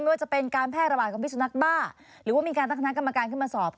ว่าจะเป็นการแพร่ระบาดของพิสุนักบ้าหรือว่ามีการตั้งคณะกรรมการขึ้นมาสอบ